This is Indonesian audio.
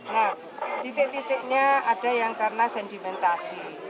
nah titik titiknya ada yang karena sedimentasi